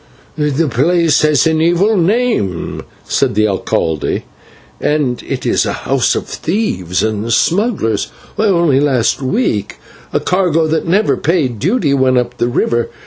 "The place has an evil name," said the /alcalde/, "and it is a home of thieves and smugglers only last week a cargo that never paid duty went up the river.